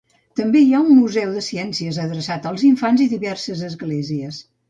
També hi ha un Museu de Ciències adreçat als infants i diverses esglésies.